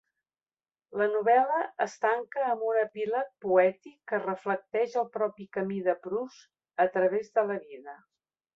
La novel·la es tanca amb un epíleg poètic que reflecteix el propi camí de Prus a través de la vida.